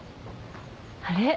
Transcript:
あれ？